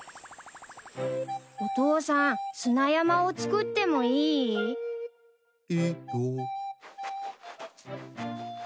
お父さん砂山を作ってもいい？いいよ。